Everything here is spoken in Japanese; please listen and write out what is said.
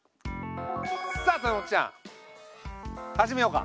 さあ豊本ちゃん始めようか。